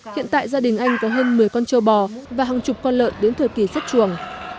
hiện tại gia đình anh có hơn một mươi con châu bò và hàng chục con lợn đến thời kỳ xuất chuồng